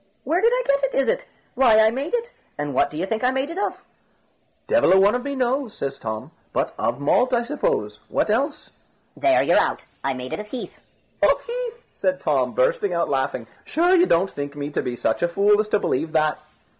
"Where did I get it, is it? Why, I made it. And what do you think I made it of?" "Devil a one of me knows," said Tom; "but of malt, I suppose, what else?" "There you're out. I made it of heath." "Of heath!" said Tom, bursting out laughing; "sure you don't think me to be such a fool as to believe that?"